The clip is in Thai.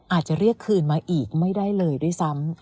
อาจจะเรียกคืนมาอีกไม่ได้เลยด้วยซ้ำ